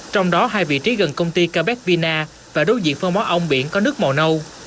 trong đó hai vị trí gần công ty quebec vina và đối diện phân bón ông biển có nước màu nâu